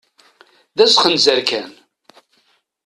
D asxenzer kan!